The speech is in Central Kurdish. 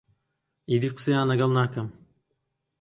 ئیدی قسەیان لەگەڵ ناکەم.